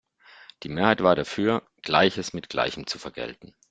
Die Mehrheit war dafür, Gleiches mit Gleichem zu vergelten.